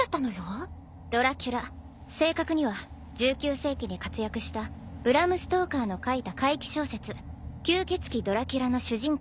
ドラキュラ正確には１９世紀に活躍したブラム・ストーカーの書いた怪奇小説『吸血鬼ドラキュラ』の主人公